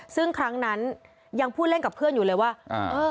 ซึ่งครั้งนั้นยังพูดเล่นกับเพื่อนอยู่เลยว่า